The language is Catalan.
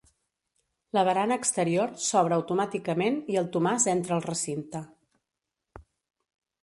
La barana exterior s'obre automàticament i el Tomàs entra al recinte.